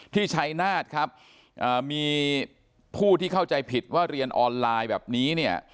ชัยนาธครับมีผู้ที่เข้าใจผิดว่าเรียนออนไลน์แบบนี้เนี่ย